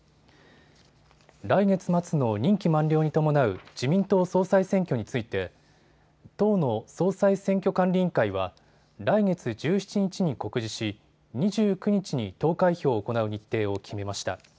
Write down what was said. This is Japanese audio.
来月末の任期満了に伴う自民党総裁選挙について党の総裁選挙管理委員会は来月１７日に告示し、２９日に投開票を行う日程を決めました。